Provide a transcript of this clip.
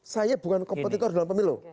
saya bukan kompetitor dalam pemilu